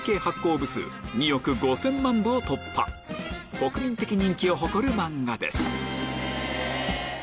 国民的人気を誇る漫画です